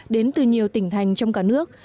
đến từ nhiều tỉnh thành trong cả nước